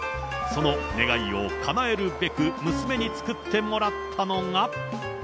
その願いをかなえるべく、娘に作ってもらったのが。